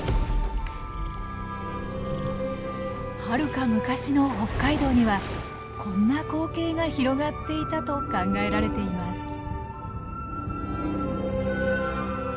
はるか昔の北海道にはこんな光景が広がっていたと考えられています。